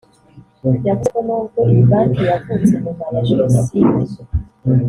yavuze ko n’ubwo iyi banki yavutse nyuma ya Jenoside